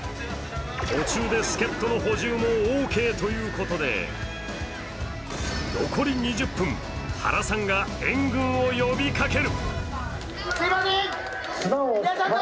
途中で助っとの補充もオーケーということで残り２０分、原さんが援軍を呼びかける。